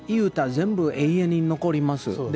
全部永遠に残ります。